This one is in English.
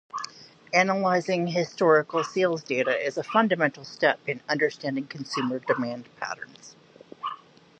Analyzing historical sales data is a fundamental step in understanding consumer demand patterns.